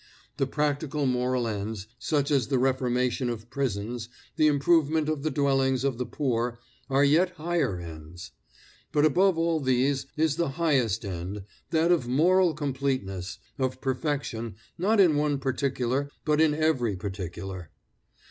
The practical moral ends, such as the reformation of prisons, the improvement of the dwellings of the poor, are yet higher ends. But above all these is the highest end, that of moral completeness, of perfection, not in one particular but in every particular.